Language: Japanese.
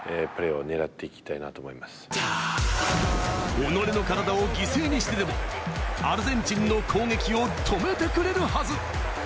己の体を犠牲にしてでも、アルゼンチンの攻撃を止めてくれるはず。